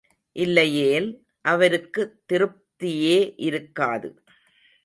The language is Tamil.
இல்லையேல், அவருக்குத் திருப்தியே இருக்காது.